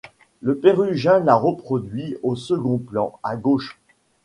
Le Pérugin l’a reproduit au second plan, à gauche.